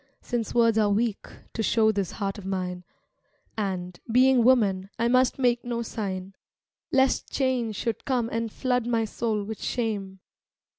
Since words are weak to show this heart of mine, And, being woman, I must make no sign, Lest change should come and flood my soul with shame.